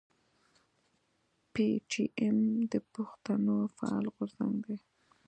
پي ټي ايم د پښتنو فعال غورځنګ دی.